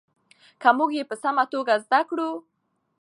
که موږ یې په سمه توګه زده کړو.